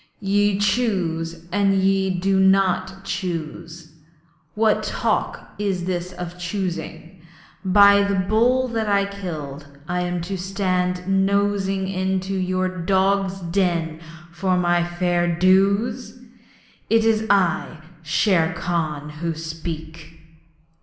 'Ye choose and ye do not choose! What talk is this of choosing? By the bull that I killed, am I to stand nosing into your dog's den for my fair dues? It is I, Shere Khan, who speak!'